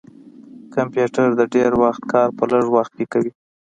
کمپیوټر د ډير وخت کار په لږ وخت کښې کوي